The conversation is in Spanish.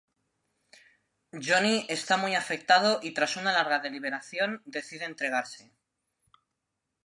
Johnny está muy afectado y tras una larga deliberación, decide entregarse.